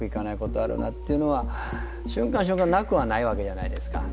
あるなっていうのは瞬間瞬間なくはないわけじゃないですか。